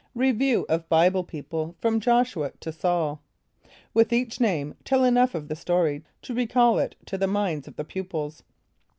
Review of Bible People, from Joshua to Saul. (With each name, tell enough of the story to recall it to the minds of the pupils.)